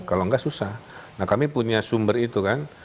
kalau nggak susah nah kami punya sumber itu kan